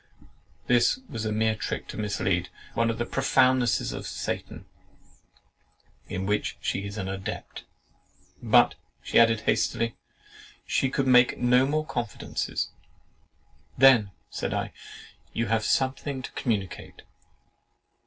This was a mere trick to mislead; one of the profoundnesses of Satan, in which she is an adept. "But," she added hastily, "she could make no more confidences." "Then," said I, "you have something to communicate."